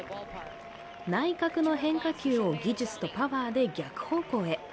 内角の変化球を技術とパワーで逆方向へ。